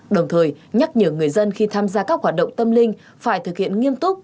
đồng thời nhắc nhở người dân khi tham gia các hoạt động tâm linh phải thực hiện nghiêm túc